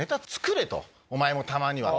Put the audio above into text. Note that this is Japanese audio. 「お前もたまには」。